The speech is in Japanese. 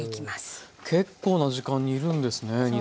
結構な時間煮るんですね。